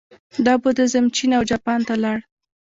دا بودیزم چین او جاپان ته لاړ